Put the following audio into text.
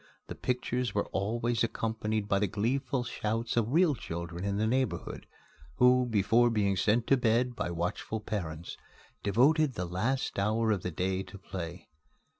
The pictures were always accompanied by the gleeful shouts of real children in the neighborhood, who, before being sent to bed by watchful parents, devoted the last hour of the day to play.